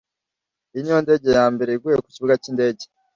Iyi niyo ndege yambere iguye kukibuga cyindege